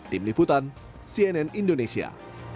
tim liputan cnn indonesia